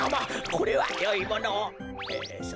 これはよいものを。